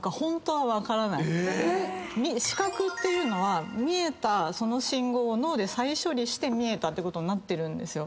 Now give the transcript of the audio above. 視覚っていうのは見えたその信号を脳で再処理して見えたってことになってるんですよ。